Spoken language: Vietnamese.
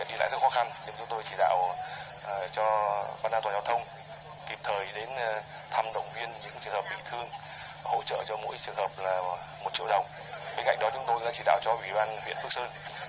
những trường hợp bị thương hỗ trợ của mỗi người là một triệu